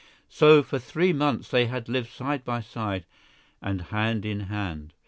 So, for three months, they had lived side by side, and hand in hand.